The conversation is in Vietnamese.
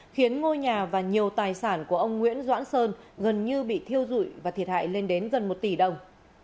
khiến ngôi nhà và nhiều tài sản của ông nguyễn doãn sơn gần như bị thiêu dụi và thiệt hại lên đến gần một tỷ đồng